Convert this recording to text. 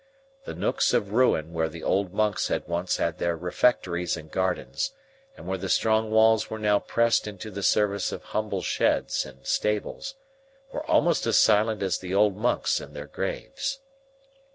The nooks of ruin where the old monks had once had their refectories and gardens, and where the strong walls were now pressed into the service of humble sheds and stables, were almost as silent as the old monks in their graves.